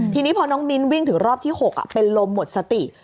ทีนี้พอน้องมิ้นวิ่งถึงรอบที่๖เป็นลมหมดสติ